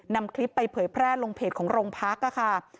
นำคลิปไปเผยแพร่ลงเพจของโรงพักค่ะ